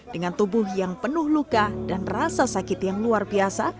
dengan tubuh yang penuh luka dan rasa sakit yang luar biasa